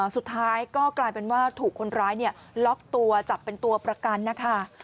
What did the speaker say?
สุดท้ายก็กลายเป็นว่าถูกคนร้ายล็อกตัวจับเป็นตัวประกันนะคะ